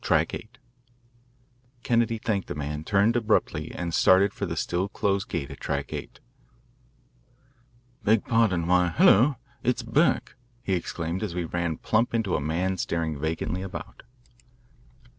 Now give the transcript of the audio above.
Track 8." Kennedy thanked the man, turned abruptly, and started for the still closed gate at Track 8. "Beg pardon why, hulloa it's Burke," he exclaimed as we ran plump into a man staring vacantly about.